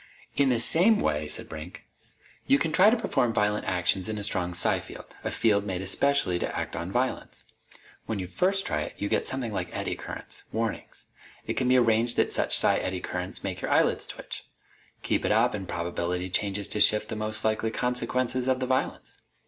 "In the same way," said Brink, "you can try to perform violent actions in a strong psi field a field made especially to act on violence. When you first try it you get something like eddy currents. Warnings. It can be arranged that such psi eddy currents make your eyelids twitch. Keep it up, and probability changes to shift the most likely consequences of the violence.